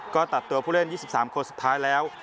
ก็ตัดตัวผู้เล่น๒๓คนสุดท้ายแล้ว